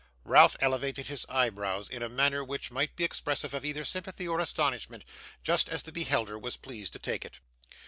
Ralph elevated his eyebrows in a manner which might be expressive of either sympathy or astonishment just as the beholder was pleased to take it.